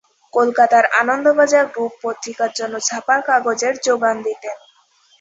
কলকাতার আনন্দবাজার গ্রুপ পত্রিকার জন্য ছাপার কাগজের যোগান দিতেন।